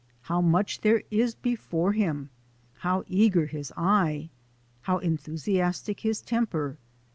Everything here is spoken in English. How much there is before him! How eager his eye! How enthusiastic his temper!